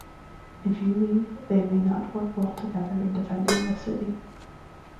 If you leave, they may not work well together in defending the city.